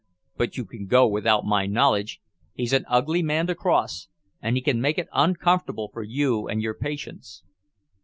But you can go without my knowledge. He's an ugly man to cross, and he can make it uncomfortable for you and your patients."